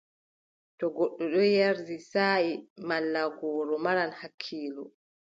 To goɗɗo ɗon yerdi saaʼi malla gooro, maran hakkiilo.